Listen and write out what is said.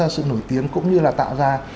sự nổi tiếng cũng như là tạo ra